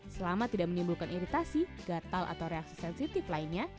selama tidak menimbulkan iritasi gatal atau reaksi sensitif lainnya